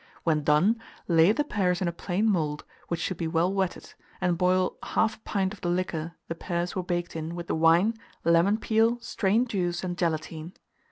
When done, lay the pears in a plain mould, which should be well wetted, and boil 1/2 pint of the liquor the pears were baked in with the wine, lemon peel, strained juice, and gelatine.